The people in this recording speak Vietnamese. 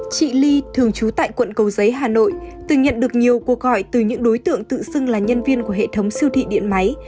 chị ly thường trú tại quận cầu giấy hà nội từng nhận được nhiều cuộc gọi từ những đối tượng tự xưng là nhân viên của hệ thống siêu thị điện máy